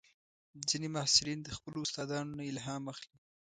ځینې محصلین د خپلو استادانو نه الهام اخلي.